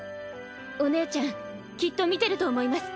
お姉ちゃんきっと見てると思います！